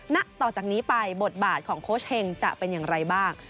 ณต่อจากนี้ไปบทบาทของโค้ชเฮงจะเป็นอย่างไรบ้าง